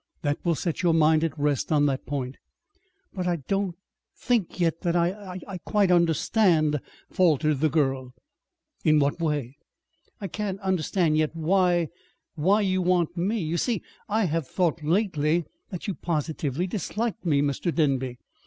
That will set your mind at rest on that point." "But I I don't think yet that I I quite understand," faltered the girl. "In what way?" "I can't understand yet why why you want me. You see, I I have thought lately that that you positively disliked me, Mr. Denby."